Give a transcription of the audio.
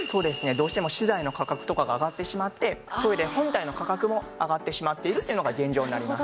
どうしても資材の価格とかが上がってしまってトイレ本体の価格も上がってしまっているっていうのが現状になります。